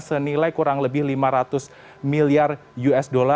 senilai kurang lebih lima ratus miliar usd